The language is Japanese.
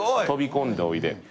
飛び込んでおいで」